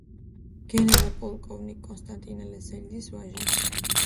გენერალ-პოლკოვნიკ კონსტანტინე ლესელიძის ვაჟი.